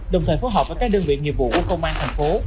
đồng thời phối hợp với các đơn vị nghiệp vụ của công an thành phố